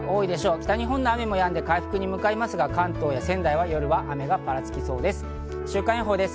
北日本の雨もやんで回復に向かいますが、関東や仙台は夜は雨がぱらつきそうです。